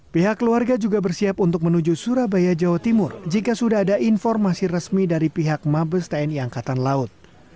pihak keluarga juga bersiap untuk menuju surabaya jawa timur jika sudah ada informasi resmi dari pihak mabes tni angkatan laut